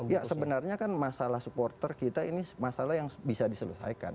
ya sebenarnya kan masalah supporter kita ini masalah yang bisa diselesaikan